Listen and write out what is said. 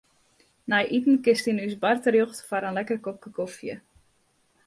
Nei iten kinst yn ús bar terjochte foar in lekker kopke kofje.